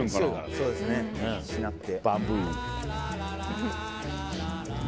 そうですねしなって。